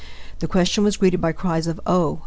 The question was greeted by cries of "Oh!